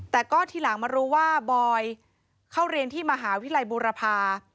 แต่ก็ทีหลังมารู้ว่าบอยเข้าเรียนที่มหาวิทยาลัยบูรพา